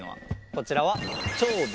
こちらは何？